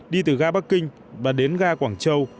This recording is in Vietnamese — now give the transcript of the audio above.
đi từ ga bắc kinh và đến ga quảng châu